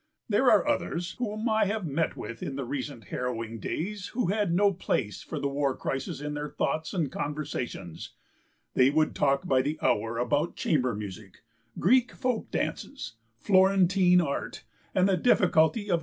There are others whom I have met within the recent harrowing days who had no place for the war crisis in their thoughts and conversations; they would talk by the hour about chamber music, Greek folk dances, Florentine art, and the difficulty of p.